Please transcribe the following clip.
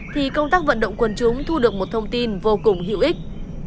thì công tác vận động quân chúng thu được một thông tin vô cùng hữu ích